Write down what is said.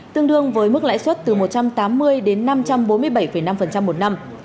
tương đương với mức lãi suất từ một trăm tám mươi đến năm trăm bốn mươi bảy năm một năm